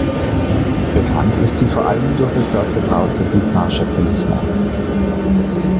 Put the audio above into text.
Bekannt ist sie vor allem durch das dort gebraute Dithmarscher Pilsener.